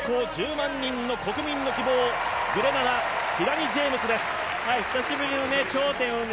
人口１０万人の国民の希望、グレナダ、キラニ・ジェームスです。